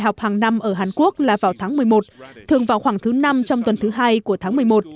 học hàng năm ở hàn quốc là vào tháng một mươi một thường vào khoảng thứ năm trong tuần thứ hai của tháng